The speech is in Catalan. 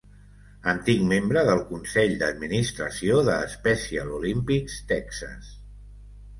Antic membre del consell d'administració de Special Olympics Texas.